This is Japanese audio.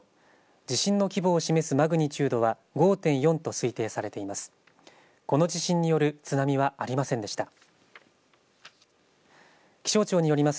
地震の規模を示すマグニチュードは５．４と推定されています。